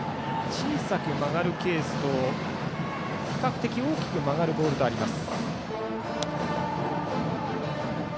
小さく曲がるケースと比較的大きく曲がるボールとあります。